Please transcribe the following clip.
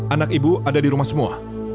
anak ibu ada di rumah semua